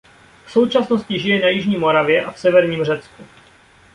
V současnosti žije na jižní Moravě a v severním Řecku.